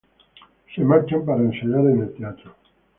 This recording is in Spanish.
Se marchan para ensayar en el teatro.